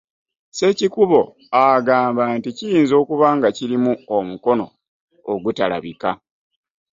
Ssekikubo agamba nti kiyinza okuba nga kirimu omukono ogutalabika